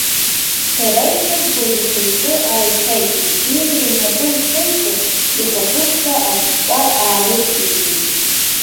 Сара ишызбоз ихы-иҿы ааицакит, иӷра инапы нҭеикын, ихаԥыцқәа аҿҿа аарыҵгеит.